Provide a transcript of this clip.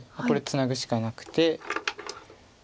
これツナぐしかなくて。